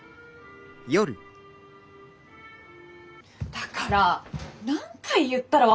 だから何回言ったら分かってくれんの？